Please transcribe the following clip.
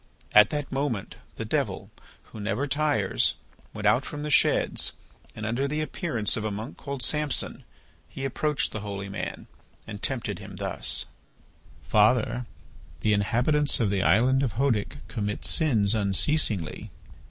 At that moment, the Devil, who never tires, went out from the sheds and, under the appearance of a monk called Samson, he approached the holy man and tempted him thus: "Father, the inhabitants of the island of Hœdic commit sins unceasingly.